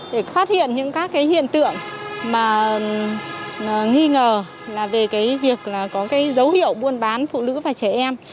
để phát hiện những các hiện tượng mà nghi ngờ là về việc có dấu hiệu buôn bán phụ nữ và trẻ em